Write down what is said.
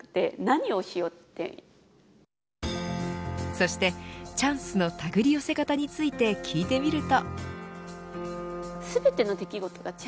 そして、チャンスの手繰り寄せ方について聞いてみると。